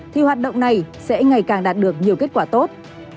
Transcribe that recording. thì hoạt động này sẽ ngày càng đạt được nhiều kết quả tốt